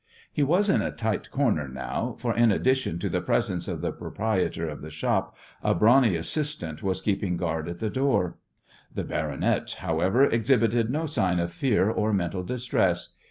He was in a tight corner now, for in addition to the presence of the proprietor of the shop a brawny assistant was keeping guard at the door. The "baronet," however, exhibited no sign of fear or mental distress.